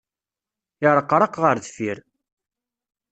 Irreqraq ɣer deffir.